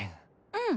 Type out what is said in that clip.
うん。